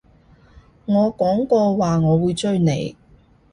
我講過話我會追你